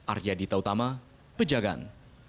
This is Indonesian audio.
arya dita utama pejagan